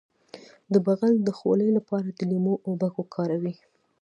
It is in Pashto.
د بغل د خولې لپاره د لیمو اوبه وکاروئ